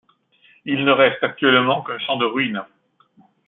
Il ne reste actuellement qu'un champ de ruines.